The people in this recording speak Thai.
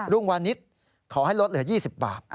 ลุงวานิสขอให้ลดเหลือ๒๐บาท